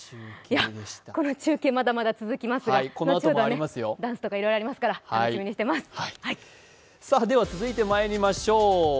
この中継、まだまだ続きますが、後ほどダンスとかいろいろありますから、楽しみにしています。